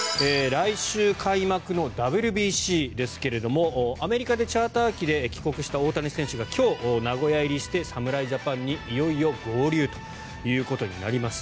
来週開幕のＷＢＣですがアメリカからチャーター機で帰国した大谷選手が今日、名古屋入りして侍ジャパンにいよいよ合流ということになります。